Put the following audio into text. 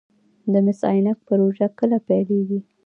د مس عینک پروژه کله پیلیږي؟